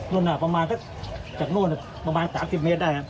นั่นอ่ะประมาณจากโน่นประมาณสามสิบเมตรได้ครับ